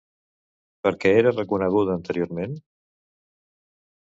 Per què era reconeguda anteriorment?